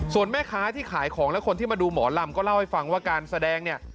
ส่วนแม่ค้าที่ขายของและคนที่มาดูหมอลำก็เล่าให้ฟังว่าการแสดงเนี่ย